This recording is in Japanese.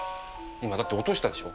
今だって落としたでしょ